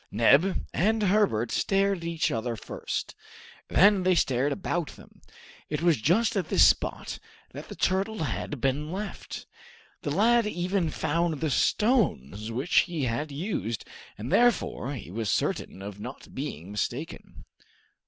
Neb and Herbert stared at each other first; then they stared about them. It was just at this spot that the turtle had been left. The lad even found the stones which he had used, and therefore he was certain of not being mistaken.